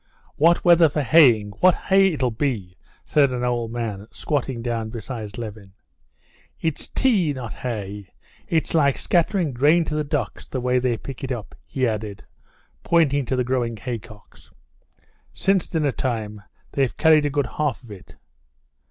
"What weather for haying! What hay it'll be!" said an old man, squatting down beside Levin. "It's tea, not hay! It's like scattering grain to the ducks, the way they pick it up!" he added, pointing to the growing haycocks. "Since dinner time they've carried a good half of it."